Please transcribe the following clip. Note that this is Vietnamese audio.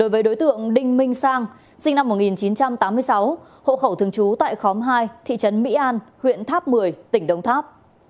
với đối tượng đinh minh sang sinh năm một nghìn chín trăm tám mươi sáu hộ khẩu thường trú tại khóm hai thị trấn mỹ an huyện tháp một mươi tỉnh đồng tháp